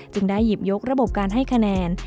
ได้หยิบยกระบบการให้คะแนน